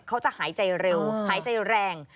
เขาจะหายใจเร็วหายใจแรง